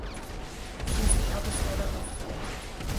She is the eldest daughter of four.